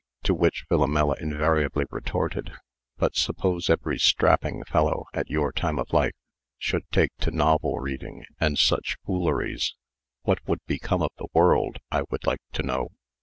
To which Philomela invariably retorted: "But suppose every strapping fellow, at your time of life, should take to novel reading, and such fooleries, what would become of the world, I would like to know?"